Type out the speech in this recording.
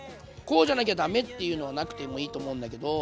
こうじゃなきゃだめっていうのはなくてもいいと思うんだけど